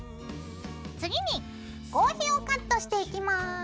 次に合皮をカットしていきます。